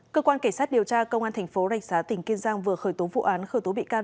cơ quan cảnh sát điều tra công an thành phố rạch giá tỉnh kiên giang vừa khởi tố vụ án khởi tố bị can